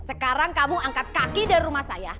sekarang kamu angkat kaki dari rumah saya